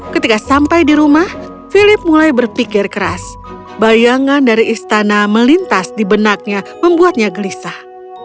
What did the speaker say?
ketika sampai di rumah philip mulai berpikir keras bayangan dari istana melintas di benaknya membuatnya gelisah